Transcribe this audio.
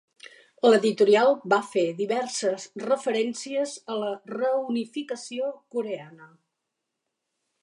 L'editorial va fer diverses referències a la reunificació coreana.